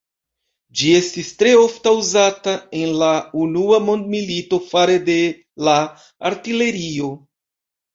Ĝi estis tre ofta uzata en la unua mondmilito fare de la artilerio.